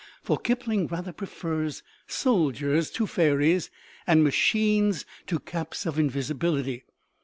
"For Kipling rather prefers soldiers to fairies and machines to caps of invisibility.